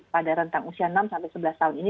pada rentang usia enam sampai sebelas tahun ini